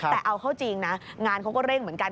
แต่เอาเข้าจริงนะงานเขาก็เร่งเหมือนกัน